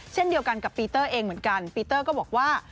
เช่นเดียวกันกับปีเตอร์เองเหมือนกันปีเตอร์ก็บอกว่า